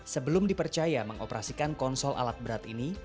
sebelum dipercaya mengoperasikan konsol alat berat ini